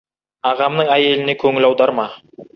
Ағамның әйеліне көңіл аударма.